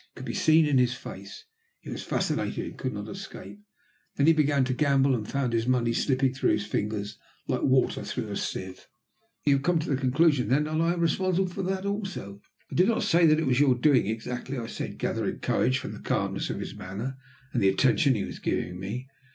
It could be seen in his face. He was fascinated, and could not escape. Then he began to gamble, and found his money slipping through his fingers like water through a sieve." "You have come to the conclusion, then, that I am responsible for that also?" "I do not say that it was your doing exactly," I said, gathering courage from the calmness of his manner and the attention he was giving me.